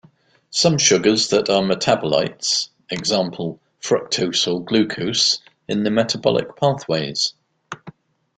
Some sugars that are metabolites; example: fructose or glucose in the metabolic pathways.